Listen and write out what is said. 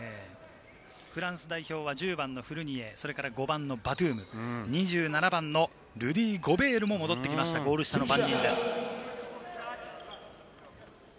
フランス代表は１０番のフルニエ、５番のバトゥーム、２７番のルディ・ゴベールも戻ってきました、ゴール下の番人です。